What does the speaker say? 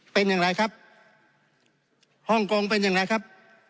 เป็นอย่างไรครับฮ่องกงเป็นอย่างไรครับ